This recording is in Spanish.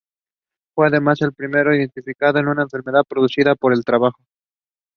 Fue además el primero en identificar una enfermedad producida por el trabajo.